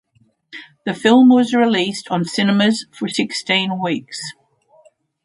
The film was released on cinemas for sixteen weeks.